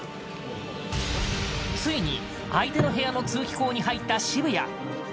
ついに相手の部屋の通気口に入った渋谷。